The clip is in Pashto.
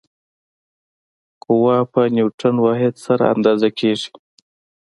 قوه په نیوټن واحد سره اندازه کېږي.